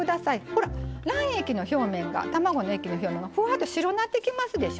ほら卵液の表面が卵の液の表面がふわっと白なってきますでしょ。